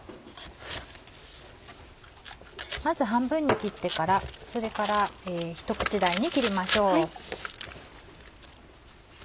まず半分に切ってからそれからひと口大に切りましょう。